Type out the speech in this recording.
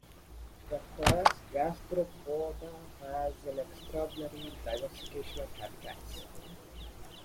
The class Gastropoda has an extraordinary diversification of habitats.